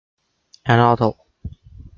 An hotel.